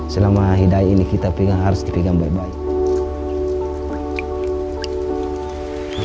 selama hidayah ini kita pegang harus dipegang baik baik